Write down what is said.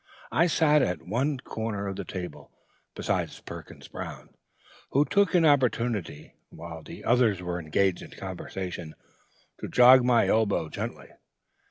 I sat at one corner of the table, beside Perkins Brown, who took an opportunity, while the others were engaged in conversation, to jog my elbow gently.